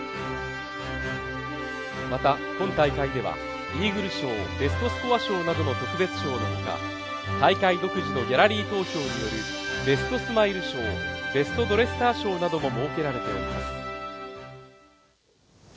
また、今大会ではイーグル賞ベストスコア賞などの特別賞のほか大会独自のギャラリー投票によるベストスマイル賞ベストドレッサー賞なども設けられております。